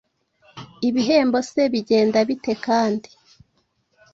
Ibihembo se bigenda bite kandi!